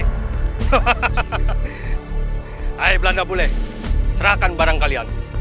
hai belanda bule serahkan barang kalian